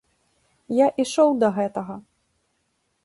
Я ішоў да гэтага.